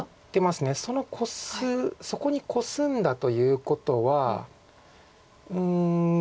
そのそこにコスんだということはうん